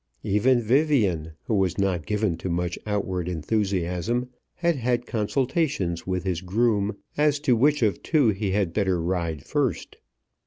Even Vivian, who was not given to much outward enthusiasm, had had consultations with his groom as to which of two he had better ride first.